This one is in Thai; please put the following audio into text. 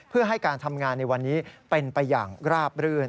เพื่อให้การทำงานในวันนี้เป็นไปอย่างราบรื่น